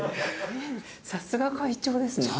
さすが会長ですね。